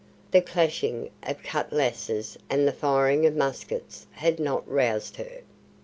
The clashing of cutlasses and the firing of muskets had not roused her.